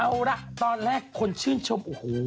เอาละตอนแรกคนชื่นชมโอ้โห